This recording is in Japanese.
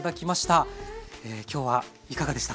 今日はいかがでしたか？